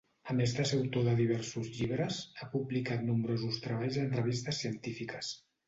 A més de ser autor de diversos llibres, ha publicat nombrosos treballs en revistes científiques.